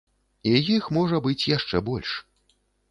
І іх можа быць яшчэ больш.